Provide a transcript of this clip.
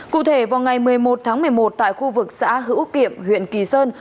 cụ thể vào ngày một mươi một tháng một mươi một tại khu vực xã hữu kiệm huyện kỳ sơn